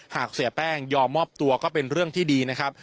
เสียแป้งยอมมอบตัวก็เป็นเรื่องที่ดีนะครับ